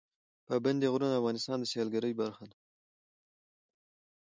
پابندی غرونه د افغانستان د سیلګرۍ برخه ده.